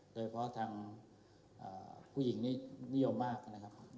โดยเฉพาะทางผู้หญิงนี่นิยมมากนะครับ